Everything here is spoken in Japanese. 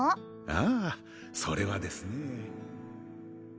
ああそれはですね